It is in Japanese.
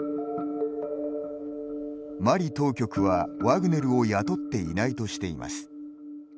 マリ当局はワグネルを雇っていないとしています。